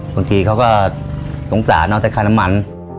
บางทีเขาก็สงสารน้องจะค่าน้ำมัน